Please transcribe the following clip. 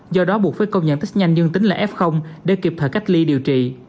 do đó buộc phải công nhận test nhanh dương tính là f để kịp thời cách ly điều trị